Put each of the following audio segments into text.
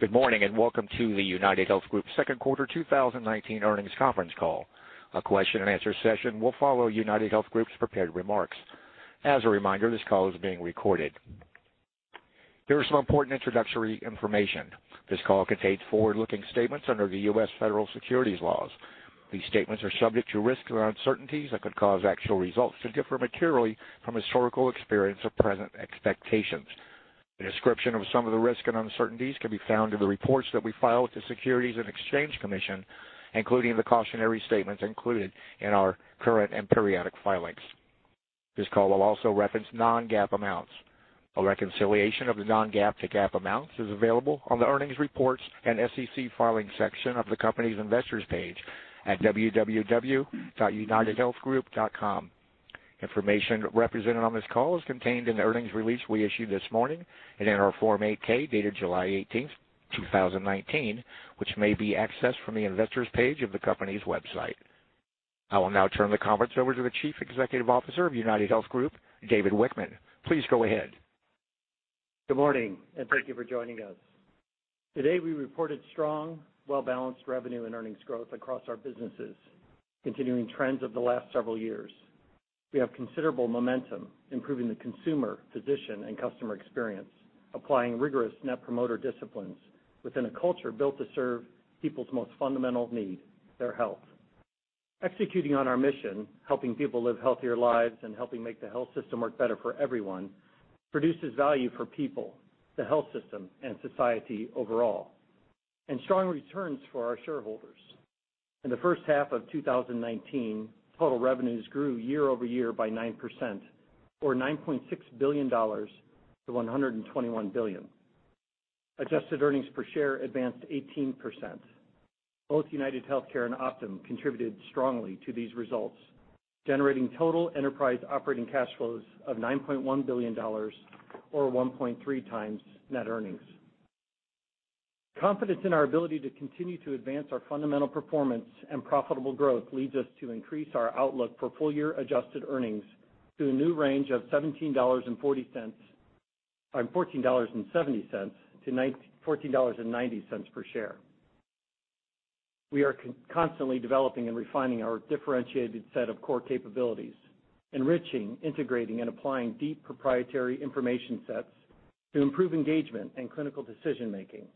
Good morning, and welcome to the UnitedHealth Group second quarter 2019 earnings conference call. A question and answer session will follow UnitedHealth Group's prepared remarks. As a reminder, this call is being recorded. Here is some important introductory information. This call contains forward-looking statements under the U.S. Federal Securities laws. These statements are subject to risks and uncertainties that could cause actual results to differ materially from historical experience or present expectations. A description of some of the risks and uncertainties can be found in the reports that we file with the Securities and Exchange Commission, including the cautionary statements included in our current and periodic filings. This call will also reference non-GAAP amounts. A reconciliation of the non-GAAP to GAAP amounts is available on the earnings reports and SEC filing section of the company's investors page at www.unitedhealthgroup.com. Information represented on this call is contained in the earnings release we issued this morning and in our Form 8-K, dated July 18th, 2019, which may be accessed from the investors page of the company's website. I will now turn the conference over to the Chief Executive Officer of UnitedHealth Group, David Wichmann. Please go ahead. Good morning, and thank you for joining us. Today, we reported strong, well-balanced revenue and earnings growth across our businesses, continuing trends of the last several years. We have considerable momentum improving the consumer, physician, and customer experience, applying rigorous net promoter disciplines within a culture built to serve people's most fundamental need, their health. Executing on our mission, helping people live healthier lives and helping make the health system work better for everyone, produces value for people, the health system, and society overall, and strong returns for our shareholders. In the first half of 2019, total revenues grew year-over-year by 9%, or $9.6 billion to $121 billion. Adjusted earnings per share advanced 18%. Both UnitedHealthcare and Optum contributed strongly to these results, generating total enterprise operating cash flows of $9.1 billion or 1.3x net earnings. Confidence in our ability to continue to advance our fundamental performance and profitable growth leads us to increase our outlook for full year adjusted earnings to a new range of $14.70-$14.90 per share. We are constantly developing and refining our differentiated set of core capabilities, enriching, integrating, and applying deep proprietary information sets to improve engagement and clinical decision making,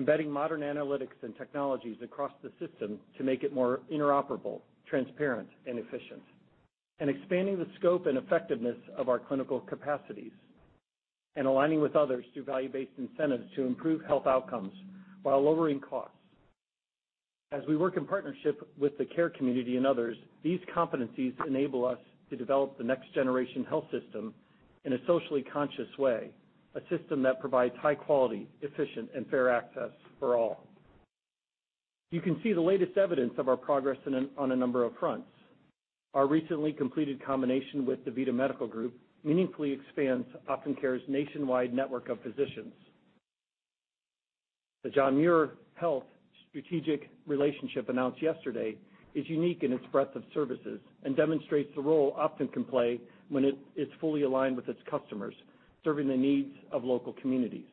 embedding modern analytics and technologies across the system to make it more interoperable, transparent, and efficient, and expanding the scope and effectiveness of our clinical capacities, and aligning with others through value-based incentives to improve health outcomes while lowering costs. As we work in partnership with the care community and others, these competencies enable us to develop the next generation health system in a socially conscious way, a system that provides high quality, efficient, and fair access for all. You can see the latest evidence of our progress on a number of fronts. Our recently completed combination with the DaVita Medical Group meaningfully expands Optum Care's nationwide network of physicians. The John Muir Health strategic relationship announced yesterday is unique in its breadth of services and demonstrates the role Optum can play when it is fully aligned with its customers, serving the needs of local communities.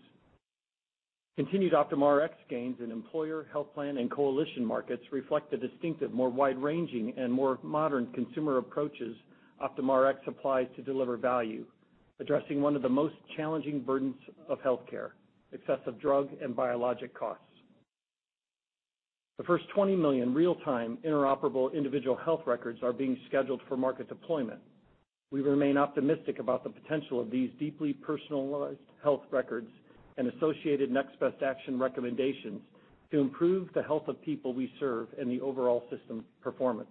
Continued Optum Rx gains in employer, health plan, and coalition markets reflect the distinctive, more wide-ranging, and more modern consumer approaches Optum Rx applies to deliver value, addressing one of the most challenging burdens of healthcare, excessive drug and biologic costs. The first 20 million real-time interoperable individual health records are being scheduled for market deployment. We remain optimistic about the potential of these deeply personalized health records and associated next best action recommendations to improve the health of people we serve and the overall system performance.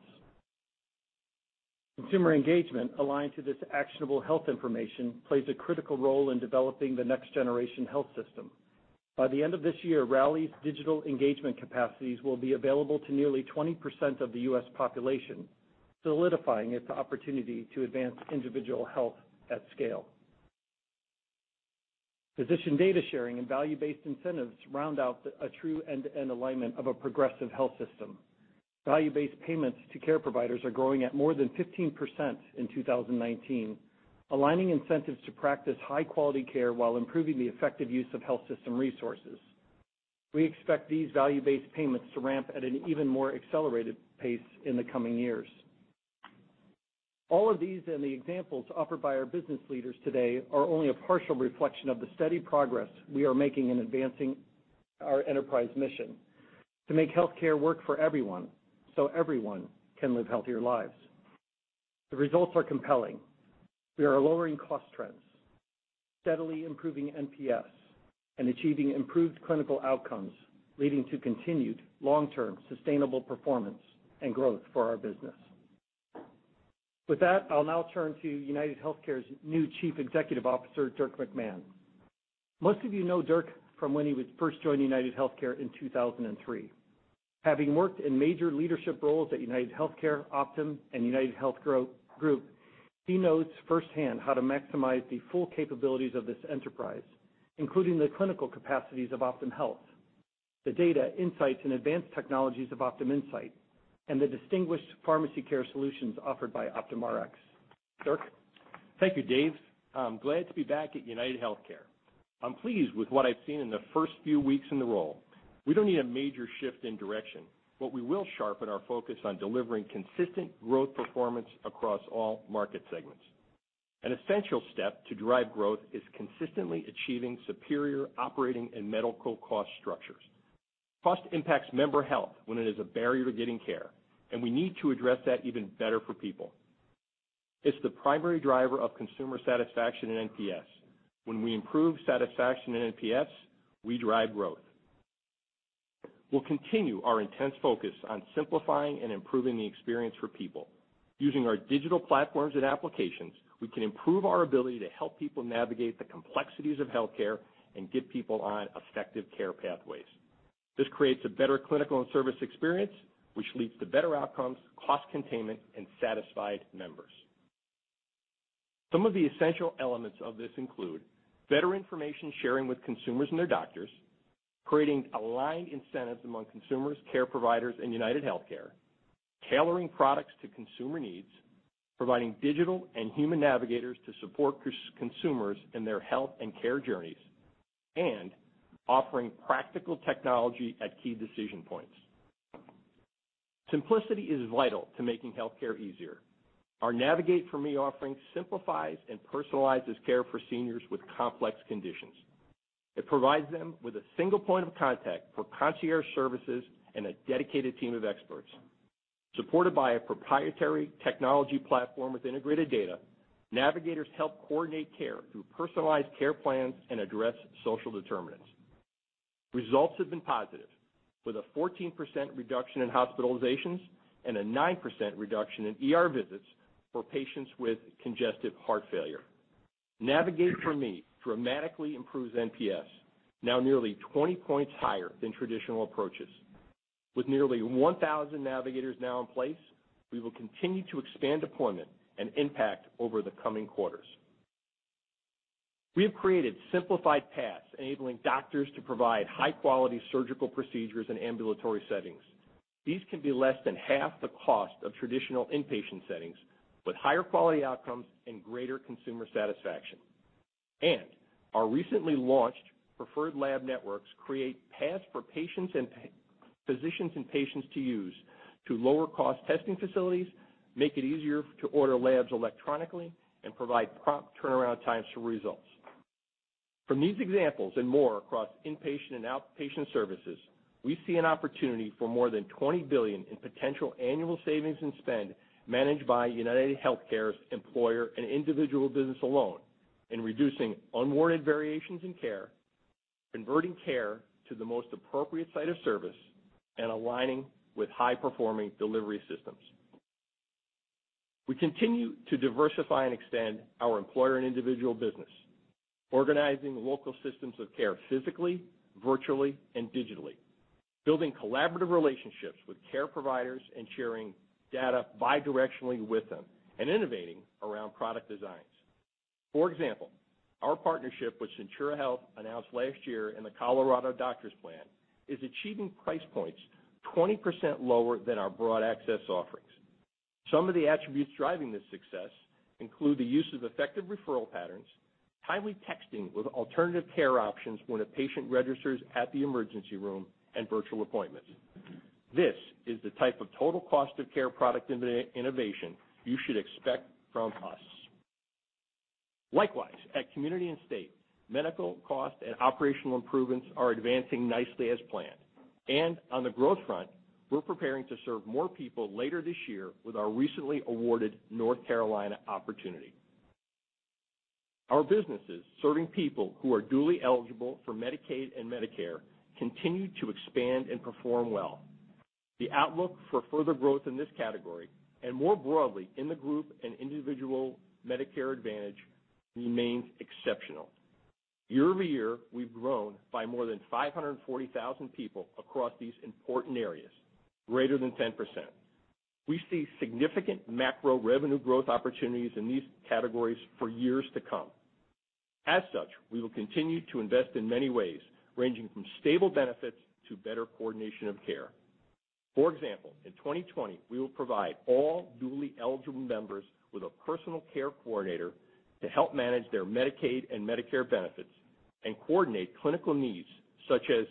Consumer engagement aligned to this actionable health information plays a critical role in developing the next generation health system. By the end of this year, Rally's digital engagement capacities will be available to nearly 20% of the U.S. population, solidifying its opportunity to advance individual health at scale. Physician data sharing and value-based incentives round out a true end-to-end alignment of a progressive health system. Value-based payments to care providers are growing at more than 15% in 2019, aligning incentives to practice high-quality care while improving the effective use of health system resources. We expect these value-based payments to ramp at an even more accelerated pace in the coming years. All of these and the examples offered by our business leaders today are only a partial reflection of the steady progress we are making in advancing our enterprise mission to make healthcare work for everyone. Everyone can live healthier lives. The results are compelling. We are lowering cost trends, steadily improving NPS, and achieving improved clinical outcomes, leading to continued long-term sustainable performance and growth for our business. With that, I'll now turn to UnitedHealthcare's new Chief Executive Officer, Dirk McMahon. Most of you know Dirk from when he first joined UnitedHealthcare in 2003. Having worked in major leadership roles at UnitedHealthcare, Optum, and UnitedHealth Group, he knows firsthand how to maximize the full capabilities of this enterprise, including the clinical capacities of Optum Health, the data, insights, and advanced technologies of Optum Insight, and the distinguished pharmacy care solutions offered by Optum Rx. Dirk? Thank you, Dave. I'm glad to be back at UnitedHealthcare. I'm pleased with what I've seen in the first few weeks in the role. We don't need a major shift in direction. We will sharpen our focus on delivering consistent growth performance across all market segments. An essential step to drive growth is consistently achieving superior operating and medical cost structures. Cost impacts member health when it is a barrier to getting care. We need to address that even better for people. It's the primary driver of consumer satisfaction and NPS. When we improve satisfaction and NPS, we drive growth. We'll continue our intense focus on simplifying and improving the experience for people. Using our digital platforms and applications, we can improve our ability to help people navigate the complexities of healthcare and get people on effective care pathways. This creates a better clinical and service experience, which leads to better outcomes, cost containment, and satisfied members. Some of the essential elements of this include better information sharing with consumers and their doctors, creating aligned incentives among consumers, care providers, and UnitedHealthcare, tailoring products to consumer needs, providing digital and human navigators to support consumers in their health and care journeys, and offering practical technology at key decision points. Simplicity is vital to making healthcare easier. Our Navigate4Me offering simplifies and personalizes care for seniors with complex conditions. It provides them with a single point of contact for concierge services and a dedicated team of experts. Supported by a proprietary technology platform with integrated data, navigators help coordinate care through personalized care plans and address social determinants. Results have been positive, with a 14% reduction in hospitalizations and a 9% reduction in ER visits for patients with congestive heart failure. Navigate4Me dramatically improves NPS, now nearly 20 points higher than traditional approaches. With nearly 1,000 navigators now in place, we will continue to expand deployment and impact over the coming quarters. We have created simplified paths enabling doctors to provide high-quality surgical procedures in ambulatory settings. These can be less than half the cost of traditional inpatient settings, with higher quality outcomes and greater consumer satisfaction. Our recently launched preferred lab networks create paths for physicians and patients to use to lower cost testing facilities, make it easier to order labs electronically, and provide prompt turnaround times for results. From these examples and more across inpatient and outpatient services, we see an opportunity for more than $20 billion in potential annual savings and spend managed by UnitedHealthcare's employer and individual business alone in reducing unwarranted variations in care, converting care to the most appropriate site of service, and aligning with high-performing delivery systems. We continue to diversify and extend our employer and individual business, organizing local systems of care physically, virtually, and digitally, building collaborative relationships with care providers and sharing data bidirectionally with them, and innovating around product designs. For example, our partnership with Centura Health, announced last year in the Colorado Doctors Plan, is achieving price points 20% lower than our broad access offerings. Some of the attributes driving this success include the use of effective referral patterns, timely texting with alternative care options when a patient registers at the emergency room, and virtual appointments. This is the type of total cost of care product innovation you should expect from us. Likewise, at community and state, medical cost and operational improvements are advancing nicely as planned. On the growth front, we're preparing to serve more people later this year with our recently awarded North Carolina opportunity. Our businesses serving people who are dually eligible for Medicaid and Medicare continue to expand and perform well. The outlook for further growth in this category, and more broadly in the group and individual Medicare Advantage, remains exceptional. Year over year, we've grown by more than 540,000 people across these important areas, greater than 10%. We see significant macro revenue growth opportunities in these categories for years to come. As such, we will continue to invest in many ways, ranging from stable benefits to better coordination of care. For example, in 2020, we will provide all dually eligible members with a personal care coordinator to help manage their Medicaid and Medicare benefits and coordinate clinical needs such as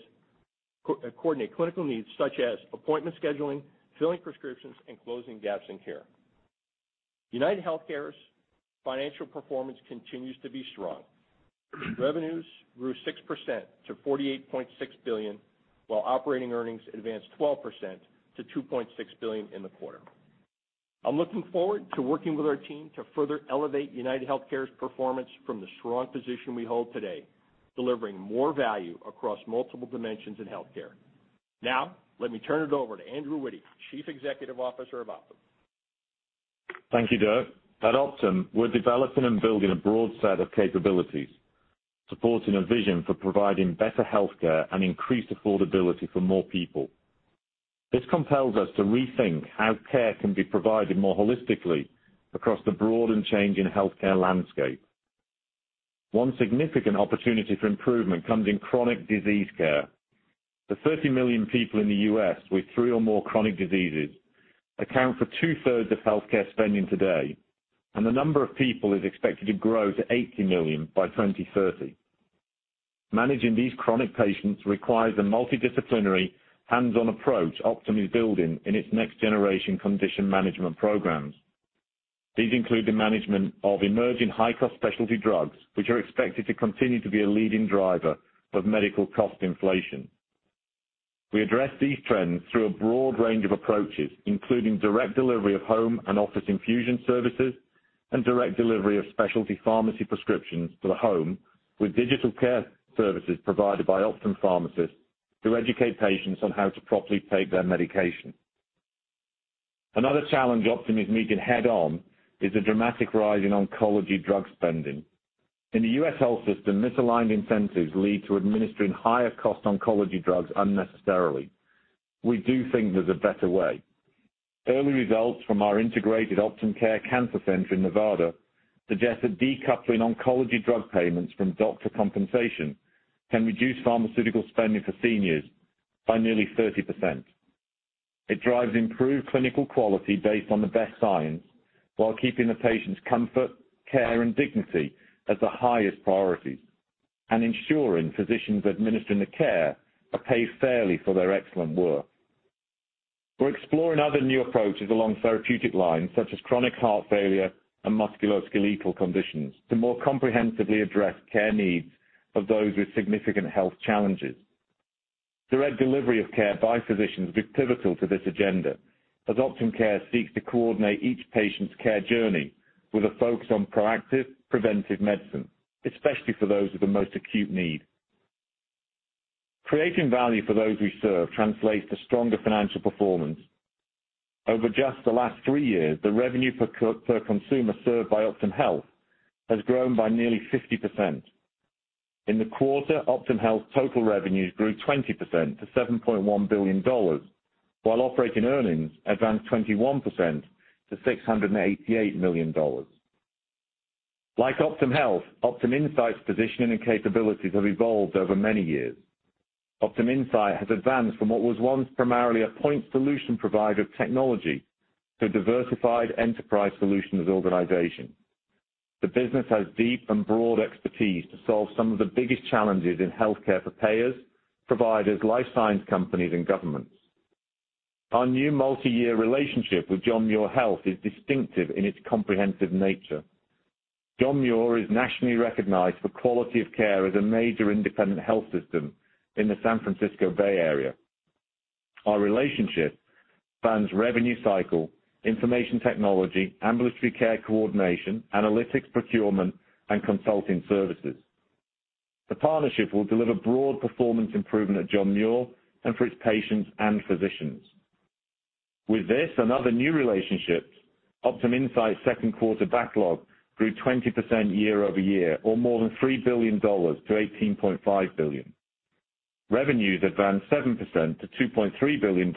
appointment scheduling, filling prescriptions, and closing gaps in care. UnitedHealthcare's financial performance continues to be strong. Revenues grew 6% to $48.6 billion, while operating earnings advanced 12% to $2.6 billion in the quarter. I'm looking forward to working with our team to further elevate UnitedHealthcare's performance from the strong position we hold today, delivering more value across multiple dimensions in healthcare. Let me turn it over to Andrew Witty, Chief Executive Officer of Optum. Thank you, Dirk. At Optum, we're developing and building a broad set of capabilities, supporting a vision for providing better healthcare and increased affordability for more people. This compels us to rethink how care can be provided more holistically across the broad and changing healthcare landscape. One significant opportunity for improvement comes in chronic disease care. The 30 million people in the U.S. with three or more chronic diseases account for 2/3 of healthcare spending today, and the number of people is expected to grow to 80 million by 2030. Managing these chronic patients requires a multidisciplinary hands-on approach Optum is building in its next generation condition management programs. These include the management of emerging high-cost specialty drugs, which are expected to continue to be a leading driver of medical cost inflation. We address these trends through a broad range of approaches, including direct delivery of home and office infusion services, and direct delivery of specialty pharmacy prescriptions to the home with digital care services provided by Optum pharmacists to educate patients on how to properly take their medication. Another challenge Optum is meeting head-on is the dramatic rise in oncology drug spending. In the U.S. health system, misaligned incentives lead to administering higher cost oncology drugs unnecessarily. We do think there's a better way. Early results from our integrated Optum Care Cancer Center in Nevada suggest that decoupling oncology drug payments from doctor compensation can reduce pharmaceutical spending for seniors by nearly 30%. It drives improved clinical quality based on the best science, while keeping the patient's comfort, care, and dignity as the highest priorities, and ensuring physicians administering the care are paid fairly for their excellent work. We're exploring other new approaches along therapeutic lines, such as chronic heart failure and musculoskeletal conditions, to more comprehensively address care needs of those with significant health challenges. Direct delivery of care by physicians will be pivotal to this agenda, as Optum Care seeks to coordinate each patient's care journey with a focus on proactive, preventive medicine, especially for those with the most acute need. Creating value for those we serve translates to stronger financial performance. Over just the last three years, the revenue per consumer served by Optum Health has grown by nearly 50%. In the quarter, Optum Health's total revenues grew 20% to $7.1 billion, while operating earnings advanced 21% to $688 million. Like Optum Health, Optum Insight's positioning and capabilities have evolved over many years. Optum Insight has advanced from what was once primarily a point solution provider of technology to a diversified enterprise solutions organization. The business has deep and broad expertise to solve some of the biggest challenges in healthcare for payers, providers, life science companies, and governments. Our new multi-year relationship with John Muir Health is distinctive in its comprehensive nature. John Muir is nationally recognized for quality of care as a major independent health system in the San Francisco Bay Area. Our relationship spans revenue cycle, information technology, ambulatory care coordination, analytics procurement, and consulting services. The partnership will deliver broad performance improvement at John Muir and for its patients and physicians. With this and other new relationships, Optum Insight's second quarter backlog grew 20% year-over-year, or more than $3 billion-$18.5 billion. Revenues advanced 7% to $2.3 billion,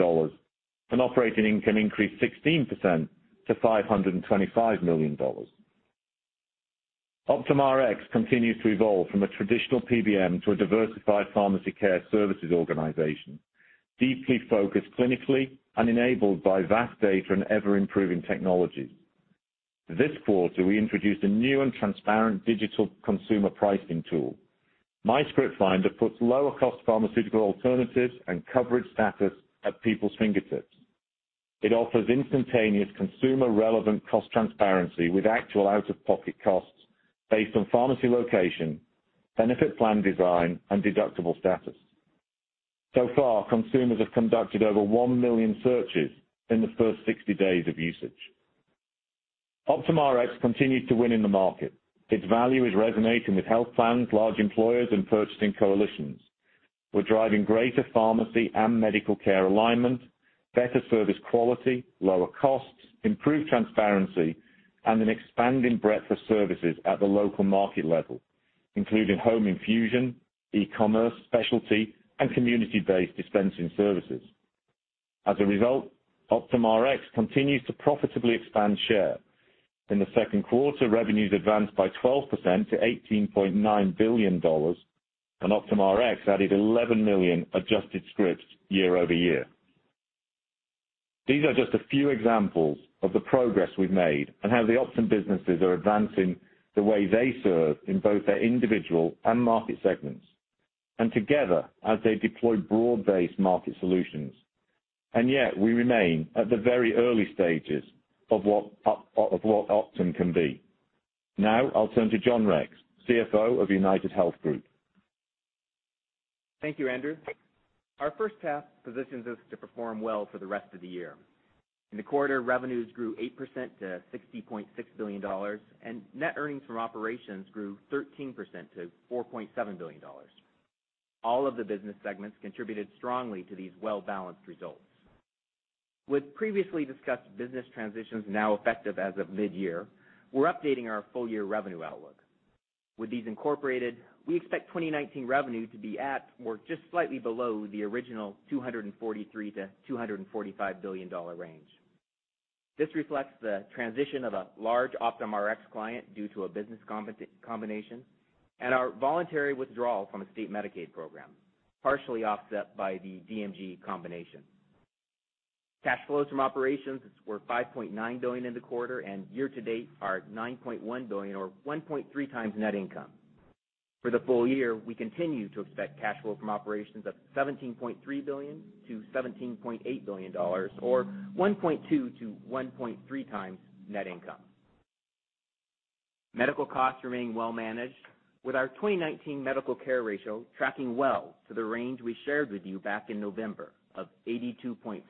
and operating income increased 16% to $525 million. Optum Rx continues to evolve from a traditional PBM to a diversified pharmacy care services organization, deeply focused clinically and enabled by vast data and ever-improving technologies. This quarter, we introduced a new and transparent digital consumer pricing tool. MyScriptFinder puts lower cost pharmaceutical alternatives and coverage status at people's fingertips. It offers instantaneous consumer relevant cost transparency with actual out-of-pocket costs based on pharmacy location, benefit plan design, and deductible status. So far, consumers have conducted over 1 million searches in the first 60 days of usage. Optum Rx continues to win in the market. Its value is resonating with health plans, large employers, and purchasing coalitions. We're driving greater pharmacy and medical care alignment, better service quality, lower costs, improved transparency, and an expanding breadth of services at the local market level, including home infusion, e-commerce, specialty, and community-based dispensing services. As a result, Optum Rx continues to profitably expand share. In the second quarter, revenues advanced by 12% to $18.9 billion, and Optum Rx added 11 million adjusted scripts year-over-year. These are just a few examples of the progress we've made and how the Optum businesses are advancing the way they serve in both their individual and market segments, and together, as they deploy broad-based market solutions. Yet, we remain at the very early stages of what Optum can be. Now, I'll turn to John Rex, CFO of UnitedHealth Group. Thank you, Andrew. Our first half positions us to perform well for the rest of the year. In the quarter, revenues grew 8% to $60.6 billion, and net earnings from operations grew 13% to $4.7 billion. All of the business segments contributed strongly to these well-balanced results. With previously discussed business transitions now effective as of mid-year, we're updating our full year revenue outlook. With these incorporated, we expect 2019 revenue to be at or just slightly below the original $243 billion-$245 billion range. This reflects the transition of a large Optum Rx client due to a business combination and our voluntary withdrawal from a state Medicaid program, partially offset by the DMG combination. Cash flows from operations were $5.9 billion in the quarter, and year-to-date are $9.1 billion or 1.3x net income. For the full year, we continue to expect cash flow from operations of $17.3 billion-$17.8 billion or 1.2x-1.3x net income. Medical costs remain well managed with our 2019 medical care ratio tracking well to the range we shared with you back in November of 82.5%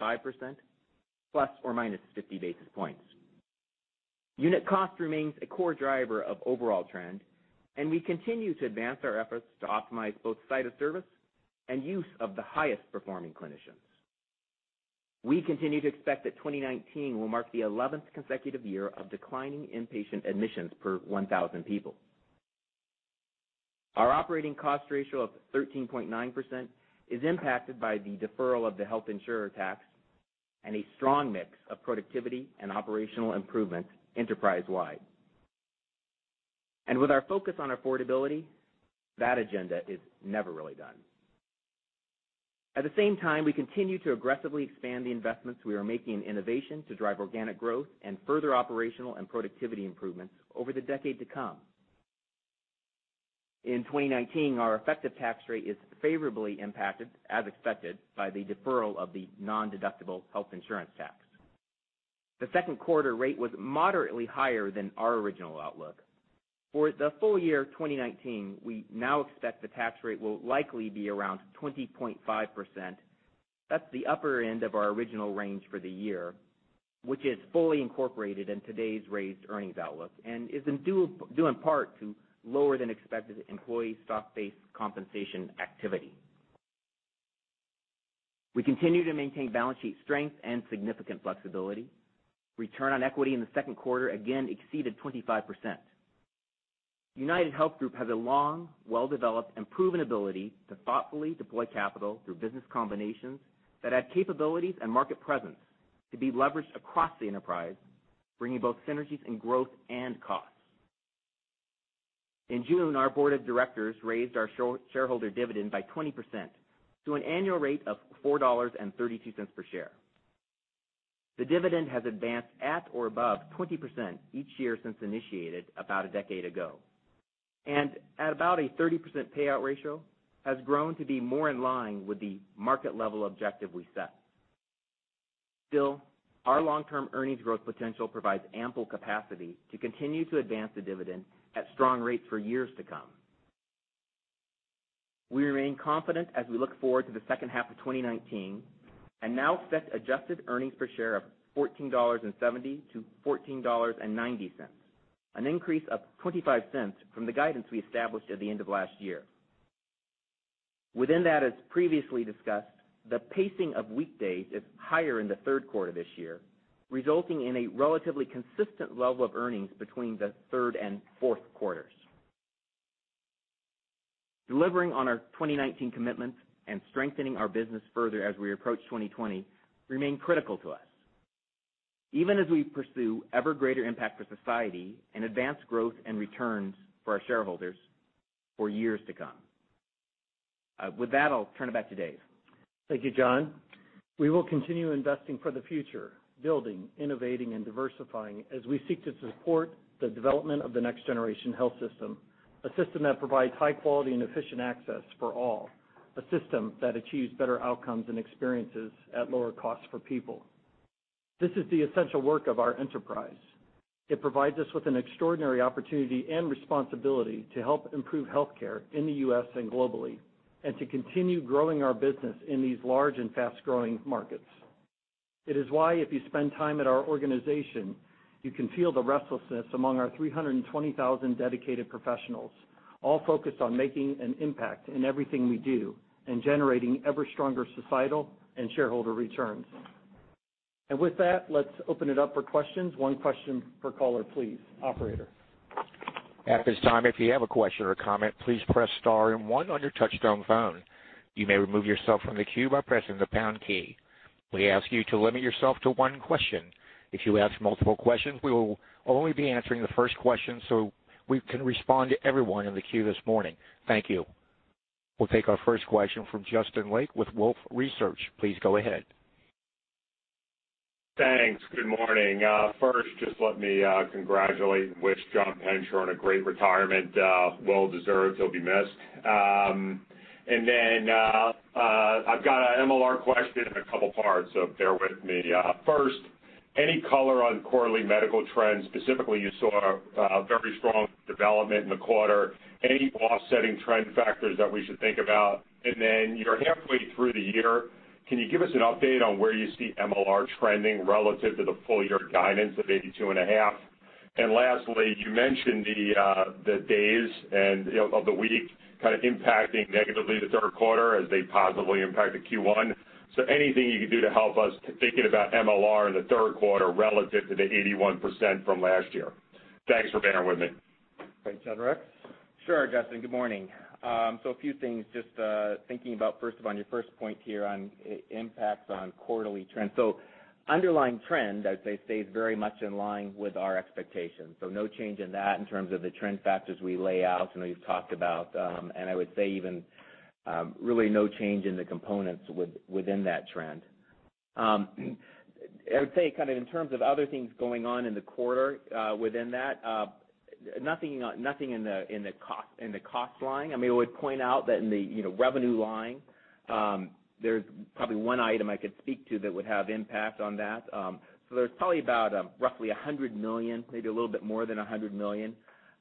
± 50 basis points. Unit cost remains a core driver of overall trend. We continue to advance our efforts to optimize both site of service and use of the highest performing clinicians. We continue to expect that 2019 will mark the 11th consecutive year of declining inpatient admissions per 1,000 people. Our operating cost ratio of 13.9% is impacted by the deferral of the health insurer tax and a strong mix of productivity and operational improvements enterprise-wide. With our focus on affordability, that agenda is never really done. At the same time, we continue to aggressively expand the investments we are making in innovation to drive organic growth and further operational and productivity improvements over the decade to come. In 2019, our effective tax rate is favorably impacted, as expected, by the deferral of the nondeductible health insurance tax. The second quarter rate was moderately higher than our original outlook. For the full year 2019, we now expect the tax rate will likely be around 20.5%. That's the upper end of our original range for the year, which is fully incorporated in today's raised earnings outlook. Is due in part to lower than expected employee stock-based compensation activity. We continue to maintain balance sheet strength and significant flexibility. Return on equity in the second quarter again exceeded 25%. UnitedHealth Group has a long, well-developed and proven ability to thoughtfully deploy capital through business combinations that add capabilities and market presence to be leveraged across the enterprise, bringing both synergies in growth and costs. In June, our board of directors raised our shareholder dividend by 20% to an annual rate of $4.32 per share. The dividend has advanced at or above 20% each year since initiated about a decade ago, and at about a 30% payout ratio, has grown to be more in line with the market level objective we set. Still, our long-term earnings growth potential provides ample capacity to continue to advance the dividend at strong rates for years to come. We remain confident as we look forward to the second half of 2019. Now set adjusted earnings per share of $14.70-$14.90, an increase of $0.25 from the guidance we established at the end of last year. Within that, as previously discussed, the pacing of weekdays is higher in the third quarter this year, resulting in a relatively consistent level of earnings between the third and fourth quarters. Delivering on our 2019 commitments. Strengthening our business further as we approach 2020 remain critical to us, even as we pursue ever greater impact for society and advance growth and returns for our shareholders for years to come. With that, I'll turn it back to Dave. Thank you, John. We will continue investing for the future, building, innovating, and diversifying as we seek to support the development of the next generation health system, a system that provides high quality and efficient access for all, a system that achieves better outcomes and experiences at lower costs for people. This is the essential work of our enterprise. It provides us with an extraordinary opportunity and responsibility to help improve healthcare in the U.S. and globally, to continue growing our business in these large and fast-growing markets. It is why if you spend time at our organization, you can feel the restlessness among our 320,000 dedicated professionals, all focused on making an impact in everything we do and generating ever stronger societal and shareholder returns. With that, let's open it up for questions. One question per caller, please. Operator? At this time, if you have a question or comment, please press star and one on your touchtone phone. You may remove yourself from the queue by pressing the pound key. We ask you to limit yourself to one question. If you ask multiple questions, we will only be answering the first question so we can respond to everyone in the queue this morning. Thank you. We'll take our first question from Justin Lake with Wolfe Research. Please go ahead. Thanks. Good morning. First, just let me congratulate and wish John Henger on a great retirement. Well deserved. He'll be missed. Then, I've got an MLR question in a couple parts, so bear with me. First, any color on quarterly medical trends, specifically, you saw very strong development in the quarter. Any offsetting trend factors that we should think about? Then you're halfway through the year, can you give us an update on where you see MLR trending relative to the full year guidance of 82.5%? Lastly, you mentioned the days of the week kind of impacting negatively the third quarter as they positively impact the Q1. So anything you can do to help us thinking about MLR in the third quarter relative to the 81% from last year. Thanks for bearing with me. Great, John Rex. Sure, Justin. Good morning. A few things, just thinking about first of on your first point here on impacts on quarterly trends. Underlying trend, I'd say, stays very much in line with our expectations. No change in that in terms of the trend factors we lay out and we've talked about. I would say even, really no change in the components within that trend. I would say kind of in terms of other things going on in the quarter, within that, nothing in the cost line. I would point out that in the revenue line, there's probably one item I could speak to that would have impact on that. There's probably about roughly $100 million, maybe a little bit more than $100 million,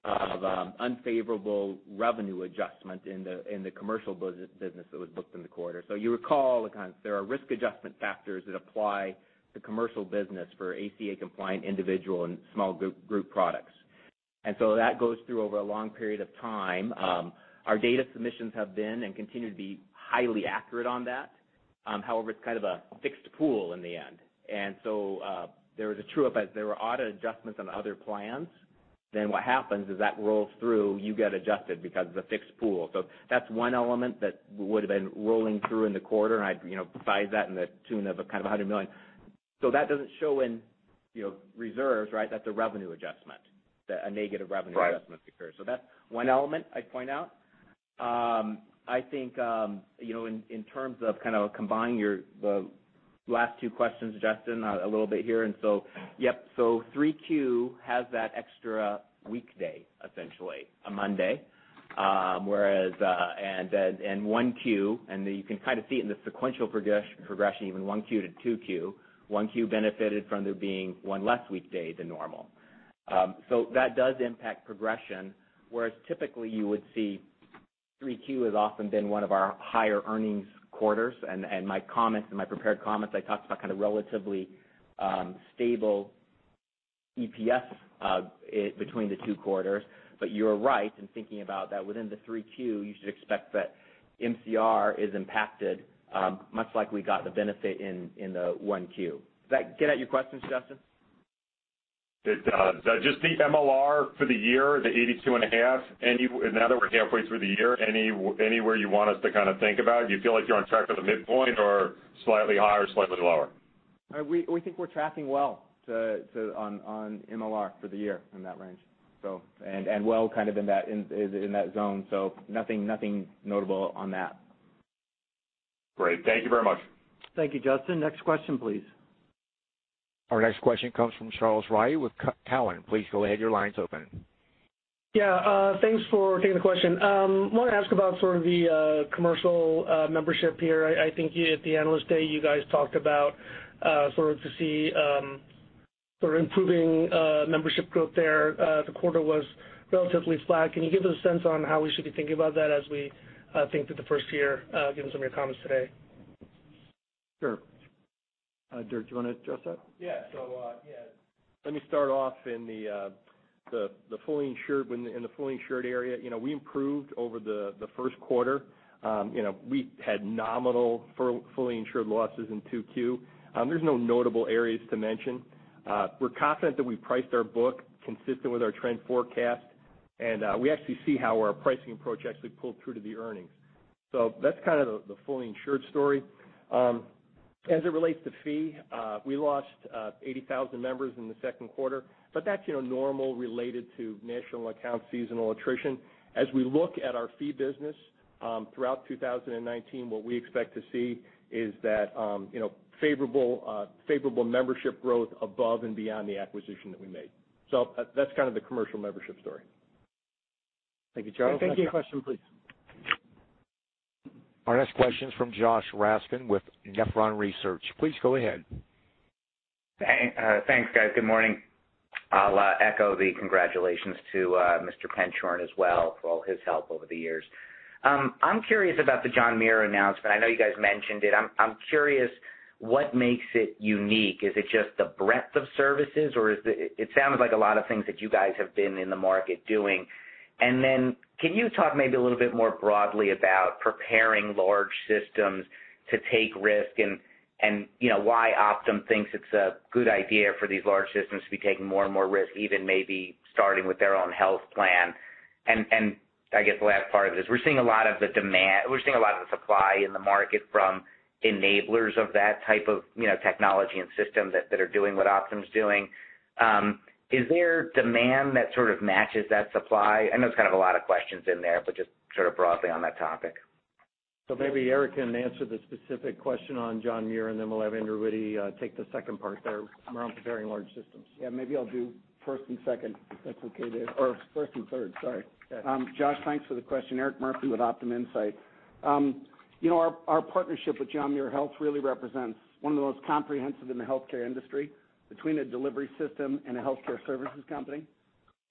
of unfavorable revenue adjustment in the commercial business that was booked in the quarter. You recall, there are risk adjustment factors that apply to commercial business for ACA compliant individual and small group products. That goes through over a long period of time. Our data submissions have been, and continue to be, highly accurate on that. However, it's kind of a fixed pool in the end. There was a true up as there were audit adjustments on other plans. What happens is that rolls through, you get adjusted because of the fixed pool. That's one element that would've been rolling through in the quarter, and I'd size that in the tune of kind of $100 million. That doesn't show in reserves, right? That's a revenue adjustment, a negative revenue adjustment occurs. Right. That's one element I'd point out. I think, in terms of kind of combining the last two questions, Justin, a little bit here. Three Q has that extra weekday, essentially, a Monday. 1Q, and you can kind of see it in the sequential progression, even 1Q-2Q. 1Q benefited from there being one less weekday than normal. That does impact progression, whereas typically you would see three Q has often been one of our higher earnings quarters, and in my prepared comments, I talked about kind of relatively stable EPS between the two quarters. You're right in thinking about that within the 3Q, you should expect that MCR is impacted, much like we got the benefit in the 1Q. Does that get at your questions, Justin? It does. Just the MLR for the year, the 82.5. Now that we're halfway through the year, anywhere you want us to kind of think about? Do you feel like you're on track for the midpoint, or slightly higher or slightly lower? We think we're tracking well on MLR for the year in that range, and well kind of in that zone. Nothing notable on that. Great. Thank you very much. Thank you, Justin. Next question, please. Our next question comes from Charles Rhyee with Cowen. Please go ahead, your line's open. Yeah. Thanks for taking the question. I want to ask about sort of the commercial membership here. I think at the Analyst Day, you guys talked about sort of to see improving membership growth there. The quarter was relatively flat. Can you give us a sense on how we should be thinking about that as we think through the first year, given some of your comments today? Sure. Dirk, do you want to address that? Yeah. Let me start off in the fully insured area. We improved over the first quarter. We had nominal fully insured losses in 2Q. There's no notable areas to mention. We're confident that we priced our book consistent with our trend forecast, and we actually see how our pricing approach actually pulled through to the earnings. That's kind of the fully insured story. As it relates to fee, we lost 80,000 members in the second quarter, that's normal related to national account seasonal attrition. As we look at our fee business, throughout 2019, what we expect to see is that favorable membership growth above and beyond the acquisition that we made. That's kind of the commercial membership story. Thank you, Charles. Next question, please. Our next question is from Josh Raskin with Nephron Research. Please go ahead. Thanks, guys. Good morning. I'll echo the congratulations to Mr. Penshorn as well for all his help over the years. I'm curious about the John Muir announcement. I know you guys mentioned it. I'm curious what makes it unique. Is it just the breadth of services, or it sounds like a lot of things that you guys have been in the market doing. Can you talk maybe a little bit more broadly about preparing large systems to take risk, and why Optum thinks it's a good idea for these large systems to be taking more and more risk, even maybe starting with their own health plan. I guess the last part of it is, we're seeing a lot of the supply in the market from enablers of that type of technology and systems that are doing what Optum's doing. Is there demand that sort of matches that supply? I know it's kind of a lot of questions in there, but just sort of broadly on that topic. Maybe Eric can answer the specific question on John Muir, and then we'll have Andrew Witty take the second part there around preparing large systems. Maybe I'll do first and second, if that's okay, Dirk. First and third, sorry. Yeah. Josh, thanks for the question. Eric Murphy with Optum Insight. Our partnership with John Muir Health really represents one of the most comprehensive in the healthcare industry between a delivery system and a healthcare services company.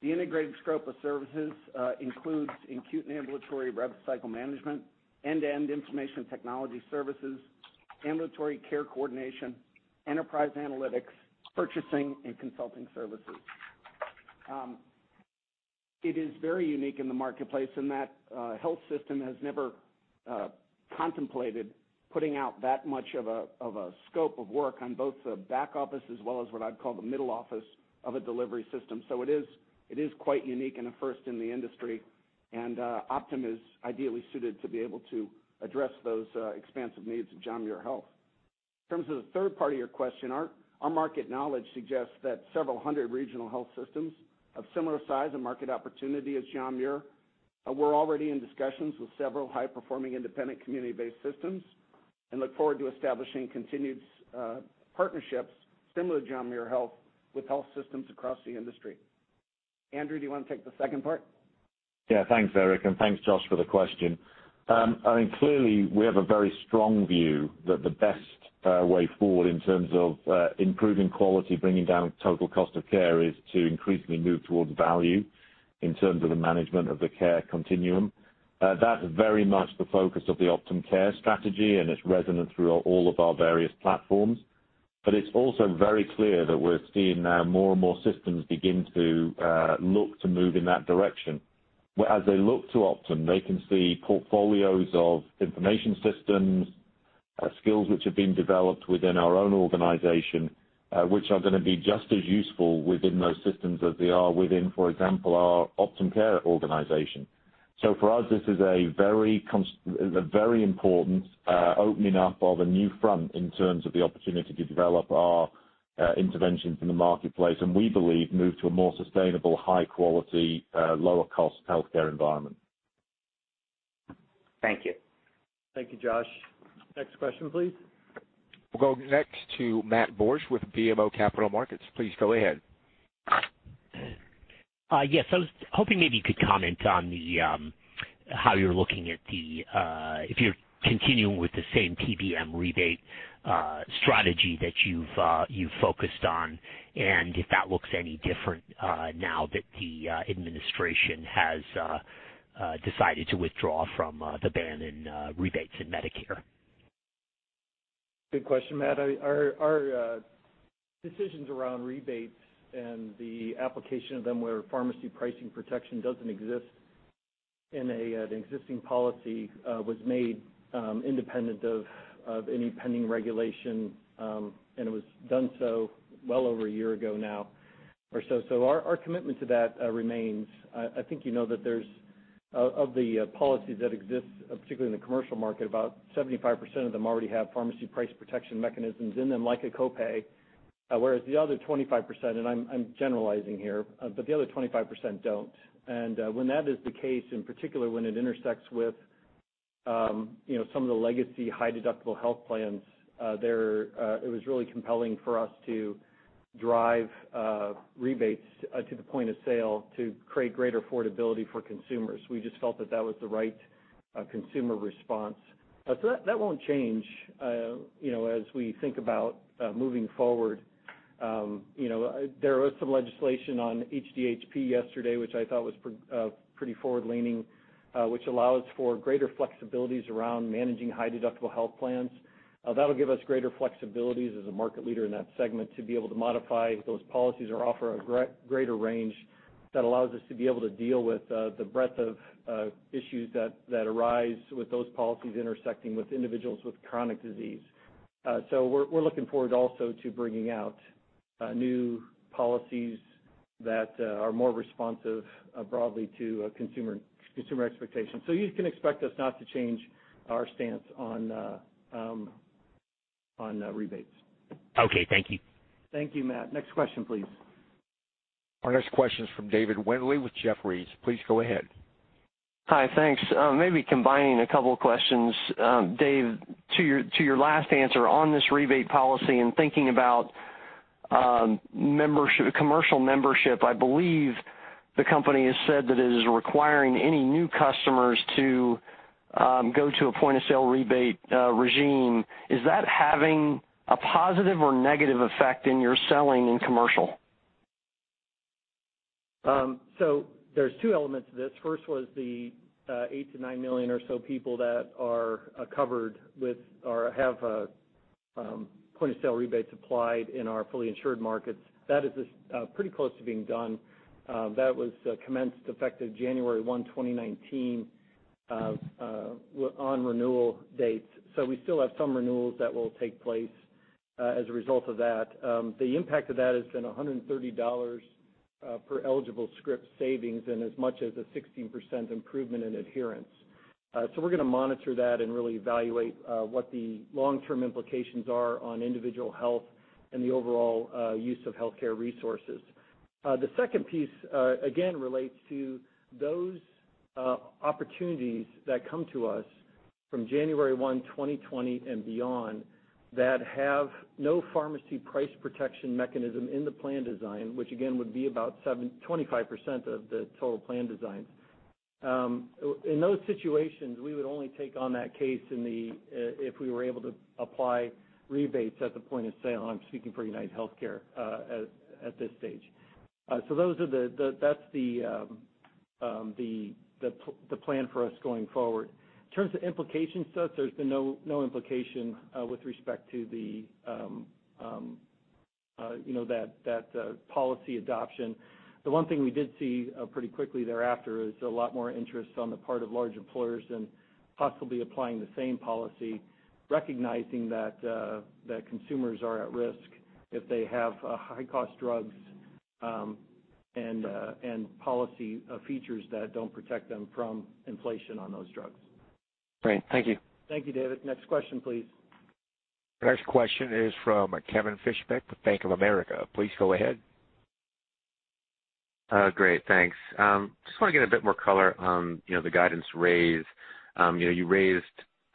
The integrated scope of services includes acute and ambulatory rev cycle management, end-to-end information technology services, ambulatory care coordination, enterprise analytics, purchasing, and consulting services. It is very unique in the marketplace in that a health system has never. Contemplated putting out that much of a scope of work on both the back office as well as what I'd call the middle office of a delivery system. It is quite unique and a first in the industry, and Optum is ideally suited to be able to address those expansive needs of John Muir Health. In terms of the third part of your question, our market knowledge suggests that several 100 regional health systems of similar size and market opportunity as John Muir, we are already in discussions with several high-performing independent community-based systems and look forward to establishing continued partnerships similar to John Muir Health with health systems across the industry. Andrew, do you want to take the second part? Thanks, Eric, and thanks Josh for the question. I mean, clearly, we have a very strong view that the best way forward in terms of improving quality, bringing down total cost of care, is to increasingly move towards value in terms of the management of the care continuum. That is very much the focus of the Optum Care strategy, and it is resonant through all of our various platforms. It is also very clear that we are seeing now more and more systems begin to look to move in that direction. As they look to Optum, they can see portfolios of information systems, skills which have been developed within our own organization, which are going to be just as useful within those systems as they are within, for example, our Optum Care organization. For us, this is a very important opening up of a new front in terms of the opportunity to develop our interventions in the marketplace, and we believe move to a more sustainable, high-quality, lower cost healthcare environment. Thank you. Thank you, Josh. Next question, please. We'll go next to Matt Borsch with BMO Capital Markets. Please go ahead. Yes. I was hoping maybe you could comment on how you're looking at if you're continuing with the same PBM rebate strategy that you've focused on, and if that looks any different now that the administration has decided to withdraw from the ban in rebates in Medicare. Good question, Matt. Our decisions around rebates and the application of them where pharmacy pricing protection doesn't exist in an existing policy was made independent of any pending regulation, and it was done so well over a year ago now or so. Our commitment to that remains. I think you know that of the policies that exist, particularly in the commercial market, about 75% of them already have pharmacy price protection mechanisms in them, like a copay, whereas the other 25%, and I'm generalizing here, but the other 25% don't. When that is the case, in particular, when it intersects with some of the legacy high-deductible health plans, it was really compelling for us to drive rebates to the point of sale to create greater affordability for consumers. We just felt that that was the right consumer response. That won't change as we think about moving forward. There was some legislation on HDHP yesterday, which I thought was pretty forward-leaning, which allows for greater flexibilities around managing high-deductible health plans. That'll give us greater flexibilities as a market leader in that segment to be able to modify those policies or offer a greater range that allows us to be able to deal with the breadth of issues that arise with those policies intersecting with individuals with chronic disease. We're looking forward also to bringing out new policies that are more responsive broadly to consumer expectations. You can expect us not to change our stance on rebates. Okay. Thank you. Thank you, Matt. Next question please. Our next question is from David Windley with Jefferies. Please go ahead. Hi. Thanks. Maybe combining a couple of questions. Dave, to your last answer on this rebate policy and thinking about commercial membership, I believe the company has said that it is requiring any new customers to go to a point of sale rebate regime. Is that having a positive or negative effect in your selling in commercial? There's two elements to this. First was the 8 million-9 million or so people that are covered with or have point-of-sale rebates applied in our fully insured markets. That is pretty close to being done. That was commenced effective January 1, 2019, on renewal dates. We still have some renewals that will take place as a result of that. The impact of that has been $130 per eligible script savings and as much as a 16% improvement in adherence. We're going to monitor that and really evaluate what the long-term implications are on individual health and the overall use of healthcare resources. The second piece, again, relates to those opportunities that come to us from January 1, 2020, and beyond, that have no pharmacy price protection mechanism in the plan design, which again, would be about 25% of the total plan designs. In those situations, we would only take on that case if we were able to apply rebates at the point of sale, and I'm speaking for UnitedHealthcare at this stage. That's the plan for us going forward. In terms of implications to us, there's been no implication with respect to that policy adoption. The one thing we did see pretty quickly thereafter is a lot more interest on the part of large employers in possibly applying the same policy, recognizing that consumers are at risk if they have high-cost drugs, and policy features that don't protect them from inflation on those drugs. Great. Thank you. Thank you, David. Next question, please. Next question is from Kevin Fischbeck with Bank of America. Please go ahead. Great. Thanks. Just want to get a bit more color on the guidance raise. You raised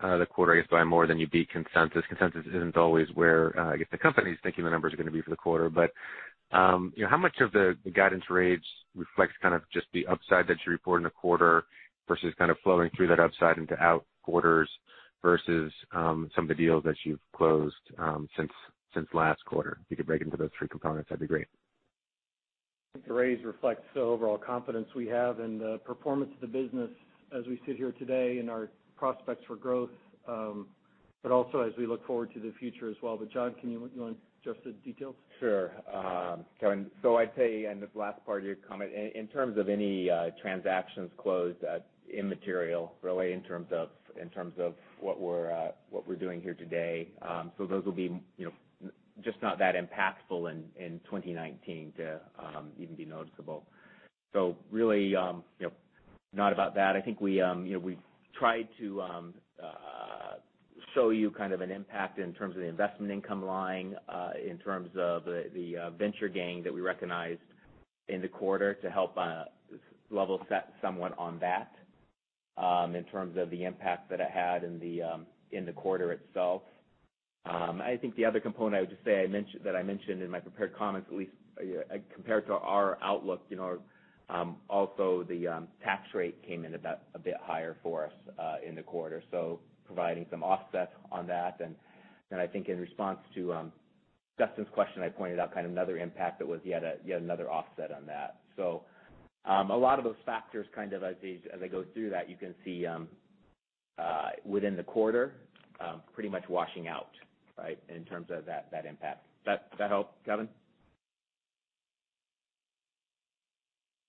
the quarter, I guess, by more than you beat consensus. Consensus isn't always where, I guess, the company's thinking the numbers are going to be for the quarter. How much of the guidance raise reflects kind of just the upside that you report in a quarter versus kind of flowing through that upside into out quarters versus some of the deals that you've closed since last quarter? If you could break into those three components, that'd be great. I think the raise reflects the overall confidence we have in the performance of the business as we sit here today and our prospects for growth, also as we look forward to the future as well. John, do you want to address the details? Sure. Kevin, I'd say, this last part of your comment, in terms of any transactions closed, immaterial, really, in terms of what we're doing here today. Those will be just not that impactful in 2019 to even be noticeable. Really, not about that. I think we tried to show you kind of an impact in terms of the investment income line, in terms of the venture gain that we recognized in the quarter to help level set somewhat on that, in terms of the impact that it had in the quarter itself. I think the other component I would just say that I mentioned in my prepared comments, at least compared to our outlook, also the tax rate came in about a bit higher for us in the quarter, so providing some offsets on that. I think in response to Justin's question, I pointed out kind of another impact that was yet another offset on that. A lot of those factors kind of as I go through that, you can see within the quarter, pretty much washing out, right, in terms of that impact. Does that help, Kevin?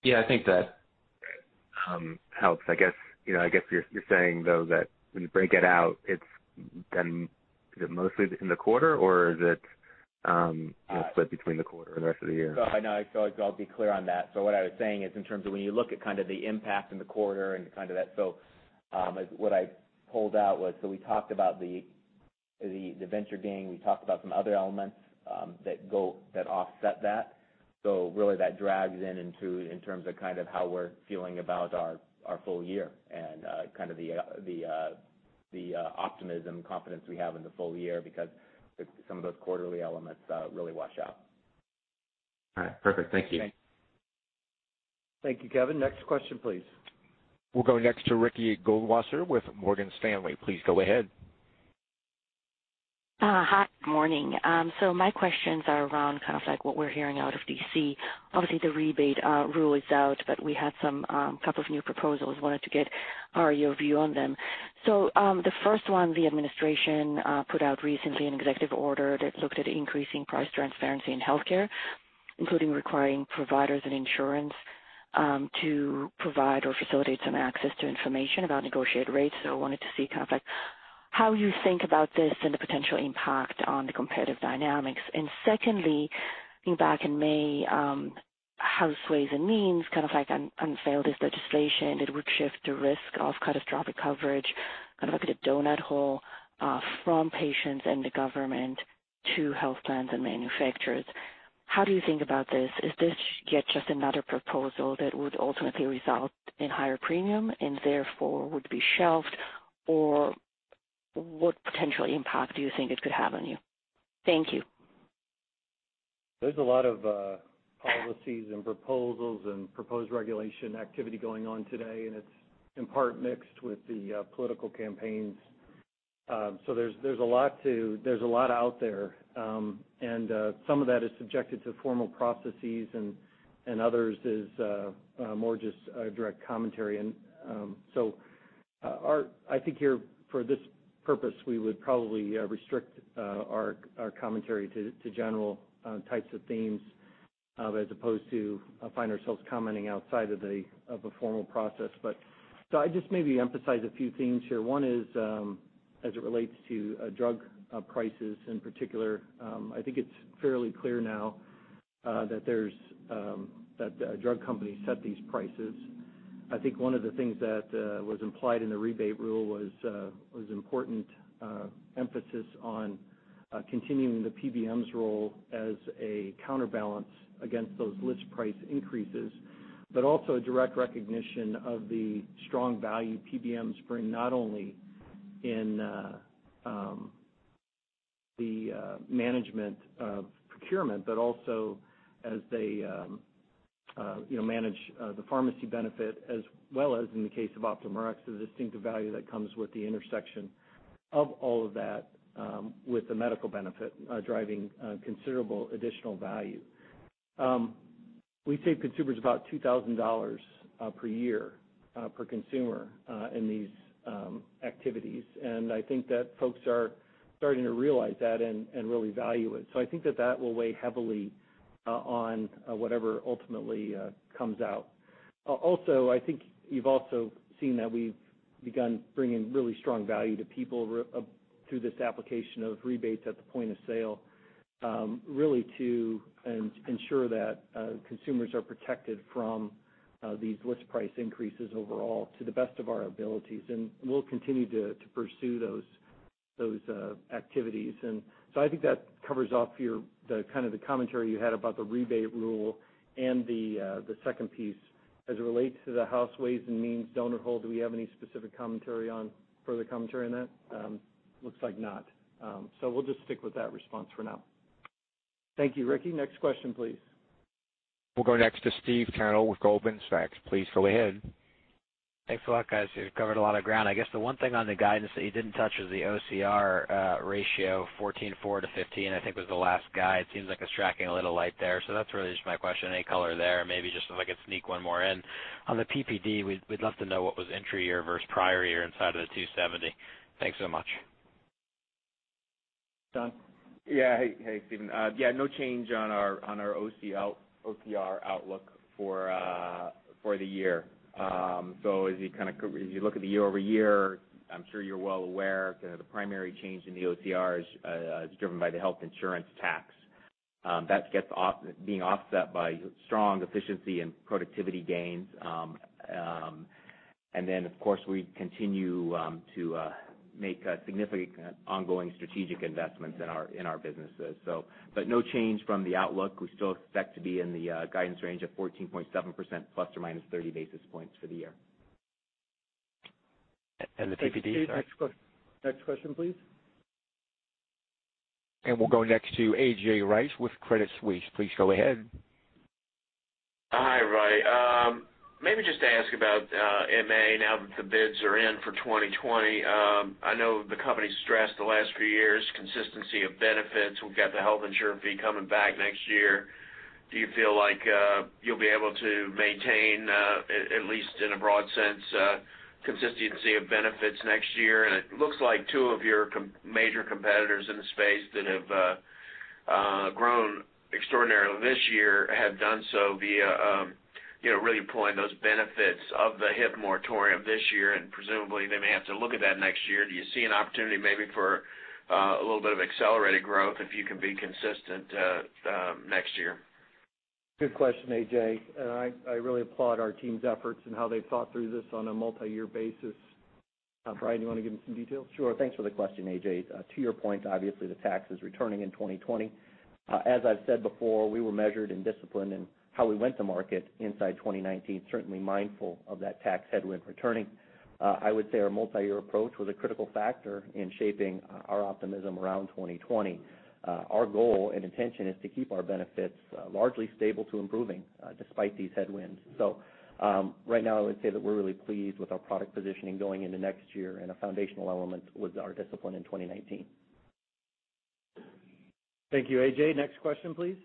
Yeah, I think that helps. I guess you're saying, though, that when you break it out, is it mostly in the quarter or is it split between the quarter and the rest of the year? No, I'll be clear on that. What I was saying is in terms of when you look at kind of the impact in the quarter and kind of that. What I pulled out was, we talked about the venture gain, we talked about some other elements that offset that. Really that drags in in terms of kind of how we're feeling about our full year and kind of the optimism, confidence we have in the full year because some of those quarterly elements really wash out. All right, perfect. Thank you. Thank you, Kevin. Next question, please. We'll go next to Ricky Goldwasser with Morgan Stanley. Please go ahead. Hi, good morning. My questions are around what we're hearing out of D.C. Obviously, the rebate rule is out. We had a couple of new proposals. I wanted to get your view on them. The first one, the administration put out recently an executive order that looked at increasing price transparency in healthcare, including requiring providers and insurance to provide or facilitate some access to information about negotiated rates. I wanted to see how you think about this and the potential impact on the competitive dynamics. Secondly, I think back in May, House Ways and Means unveiled this legislation that would shift the risk of catastrophic coverage, like the donut hole, from patients and the government to health plans and manufacturers. How do you think about this? Is this yet just another proposal that would ultimately result in higher premium and therefore would be shelved? What potential impact do you think it could have on you? Thank you. There's a lot of policies and proposals and proposed regulation activity going on today, and it's in part mixed with the political campaigns. There's a lot out there. Some of that is subjected to formal processes and others is more just a direct commentary. I think here, for this purpose, we would probably restrict our commentary to general types of themes, as opposed to find ourselves commenting outside of a formal process. I'd just maybe emphasize a few themes here. One is, as it relates to a drug crisis in particular, I think it's fairly clear now that drug companies set these prices. I think one of the things that was implied in the rebate rule was important emphasis on continuing the PBM's role as a counterbalance against those list price increases, also a direct recognition of the strong value PBMs bring, not only in the management of procurement, but also as they manage the pharmacy benefit, as well as in the case of Optum Rx, the distinctive value that comes with the intersection of all of that with the medical benefit driving considerable additional value. We save consumers about $2,000 per year per consumer in these activities. I think that folks are starting to realize that and really value it. I think that will weigh heavily on whatever ultimately comes out. I think you've also seen that we've begun bringing really strong value to people through this application of rebates at the point of sale, really to ensure that consumers are protected from these list price increases overall to the best of our abilities. We'll continue to pursue those activities. I think that covers off the commentary you had about the rebate rule and the second piece. As it relates to the House Ways and Means donor hold, do we have any specific further commentary on that? Looks like not. We'll just stick with that response for now. Thank you, Ricky Goldwasser. Next question, please. We'll go next to Steve Tanal with Goldman Sachs. Please go ahead. Thanks a lot, guys. You've covered a lot of ground. I guess the one thing on the guidance that you didn't touch was the OCR ratio 14.4%-15%, I think was the last guide. Seems like it's tracking a little light there. That's really just my question, any color there. Maybe just if I could sneak one more in. On the PPD, we'd love to know what was entry year versus prior year inside of the 270 basis points. Thanks so much. John? Yeah. Hey, Steven. No change on our OCR outlook for the year. As you look at the year-over-year, I'm sure you're well aware the primary change in the OCR is driven by the health insurance tax. That gets being offset by strong efficiency and productivity gains. Then, of course, we continue to make significant ongoing strategic investments in our businesses. No change from the outlook. We still expect to be in the guidance range of 14.7%, ± 30 basis points for the year. The PPD? Sorry. Next question, please. We'll go next to A.J. Rice with Credit Suisse. Please go ahead. Hi, [John]. Maybe just to ask about MA now that the bids are in for 2020. I know the company stressed the last few years consistency of benefits. We've got the health insurance fee coming back next year. Do you feel like you'll be able to maintain, at least in a broad sense, consistency of benefits next year? It looks like two of your major competitors in the space that have grown extraordinarily this year have done so via really pulling those benefits of the HIF moratorium this year, and presumably they may have to look at that next year. Do you see an opportunity maybe for a little bit of accelerated growth if you can be consistent next year? Good question, A.J. I really applaud our team's efforts and how they've thought through this on a multi-year basis. Brian, you want to give them some details? Sure. Thanks for the question, A.J. To your point, obviously, the tax is returning in 2020. As I've said before, we were measured and disciplined in how we went to market inside 2019, certainly mindful of that tax headwind returning. I would say our multi-year approach was a critical factor in shaping our optimism around 2020. Our goal and intention is to keep our benefits largely stable to improving despite these headwinds. Right now, I would say that we're really pleased with our product positioning going into next year, and a foundational element was our discipline in 2019. Thank you, A.J. Next question, please.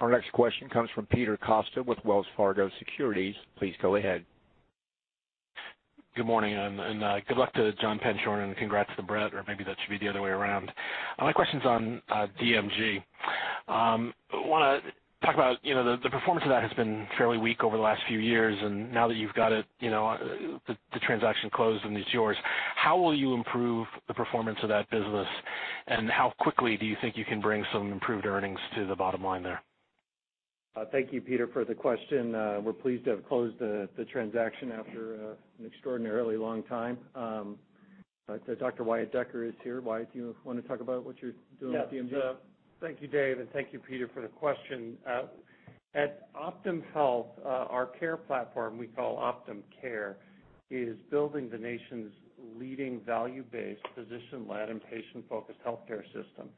Our next question comes from Peter Costa with Wells Fargo Securities. Please go ahead. Good morning. Good luck to John Penshorn and congrats to Brett, or maybe that should be the other way around. My question's on DMG. I want to talk about the performance of that has been fairly weak over the last few years. Now that you've got the transaction closed and it's yours, how will you improve the performance of that business, and how quickly do you think you can bring some improved earnings to the bottom line there? Thank you, Peter, for the question. We're pleased to have closed the transaction after an extraordinarily long time. Dr. Wyatt Decker is here. Wyatt, do you want to talk about what you're doing with DMG? Yes. Thank you, Dave, and thank you, Peter, for the question. At Optum Health, our care platform we call Optum Care, is building the nation's leading value-based, physician-led, and patient-focused healthcare system.